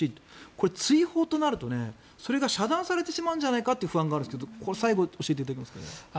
これは追放となるとそれが遮断されてしまうんじゃないかという不安があるんですけどこれ最後に教えていただけますか？